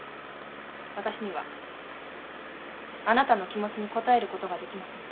私にはあなたの気持ちに応えることができません。